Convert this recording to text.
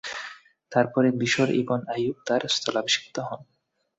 তার পরে বিশর ইবন আইয়ূব তার স্থলাভিষিক্ত হন।